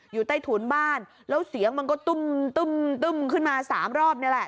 อยู่ใต้ถุนบ้านแล้วเสียงมันก็ตุ้มตึ้มขึ้นมาสามรอบนี่แหละ